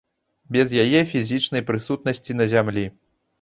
Без яе фізічнай прысутнасці на зямлі.